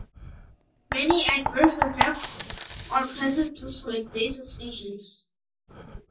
Many adverse effects are present due to invasive species.